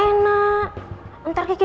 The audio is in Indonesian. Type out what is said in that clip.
itu tempat tanggung kayak sinage